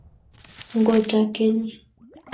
ngotakenyi